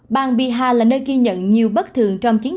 bàng piha là nơi ghi nhận nhiều bất thường trong chiến dịch